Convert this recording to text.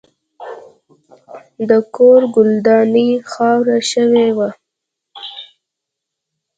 د کور ګلداني خاوره شوې وه.